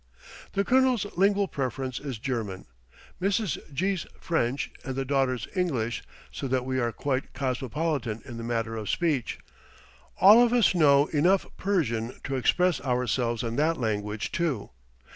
The colonel's lingual preference is German, Mrs. G 's, French, and the daughter's, English; so that we are quite cosmopolitan in the matter of speech. All of us know enough Persian to express ourselves in that language too.